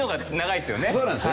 そうなんですよね。